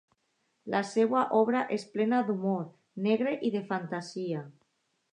La seva obra és plena d'humor negre i de fantasia.